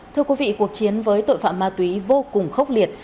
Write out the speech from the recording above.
thưa quý vị cuộc chiến với tội phạm ma túy vô cùng khốc liệt